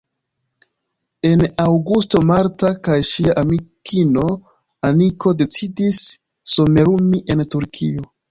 En aŭgusto Marta kaj ŝia amikino Aniko decidis somerumi en Turkio.